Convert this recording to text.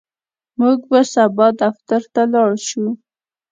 موږ به سبا دفتر ته لاړ شو.